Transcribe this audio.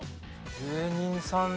芸人さん。